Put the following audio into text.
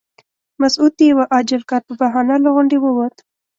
مسعود د یوه عاجل کار په بهانه له غونډې ووت.